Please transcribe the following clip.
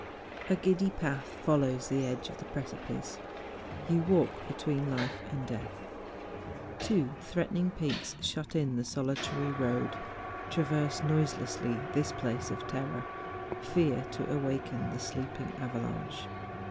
A GIDDY path follows the edge of the precipice; you walk between life and death. Two threatening peaks shut in the solitary road. Traverse noiselessly this place of terror ; fear to awaken the sleeping avalanche.